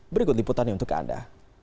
berikut liputannya untuk anda